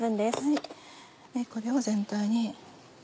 これを全体に。